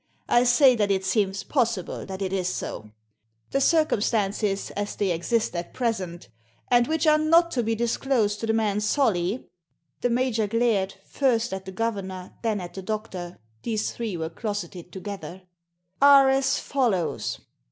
I say that it Digitized by VjOOQIC 48 THE SEEN AND THE UNSEEN seems possible that it is sa The circumstances, as they exist at present — and which are not to be disclosed to the man Solly" — the major glared, 'first at the governor, then at the doctor; these three were closeted together —" are as follows.